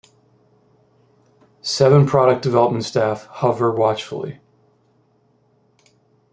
Seven product-development staff hover watchfully.